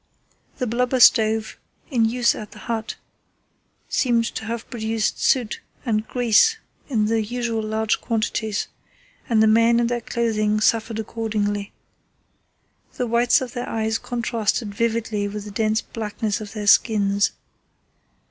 The blubber stove in use at the hut seemed to have produced soot and grease in the usual large quantities, and the men and their clothing suffered accordingly. The whites of their eyes contrasted vividly with the dense blackness of their skins.